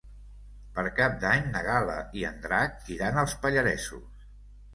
Per Cap d'Any na Gal·la i en Drac iran als Pallaresos.